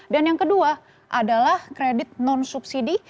dan yang kedua adalah kredit non subsidi